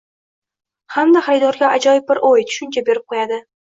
hamda xaridorga ajoyib bir o'y, tushuncha berib qo'yadi.